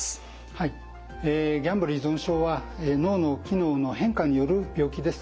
はいギャンブル依存症は脳の機能の変化による病気です。